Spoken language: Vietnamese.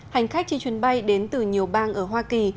hành khách trên chuyến bay đến từ nhiều bang ở hoa kỳ